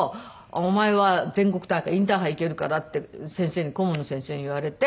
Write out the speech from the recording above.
「お前はインターハイ行けるから」って顧問の先生に言われて。